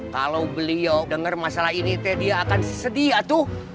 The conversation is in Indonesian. kalau beliau denger masalah ini dia akan sedia tuh